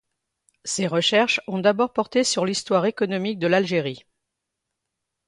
Ses recherches ont d'abord porté sur l'histoire économique de l'Algérie.